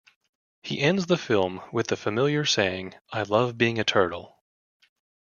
He ends the film with the familiar saying, I love being a turtle.